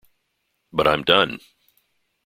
But I'm done.